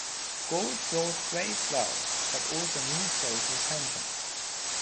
Gold brought great wealth but also new social tensions.